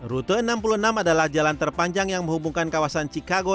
rute enam puluh enam adalah jalan terpanjang yang menghubungkan kawasan chicago